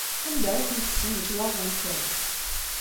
Anda i kent-kksen lekwaɣeḍ-nkent?